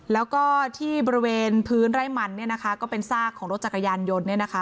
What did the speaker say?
แล้วก็ที่บริเวณพื้นไร่มันเนี่ยนะคะก็เป็นซากของรถจักรยานยนต์